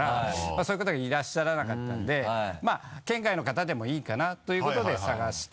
そういう方がいらっしゃらなかったので県外の方でもいいかなということで探して。